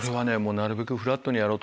なるべくフラットにやろうと思った。